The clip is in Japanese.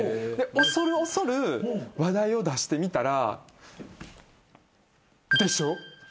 恐る恐る話題を出してみたら。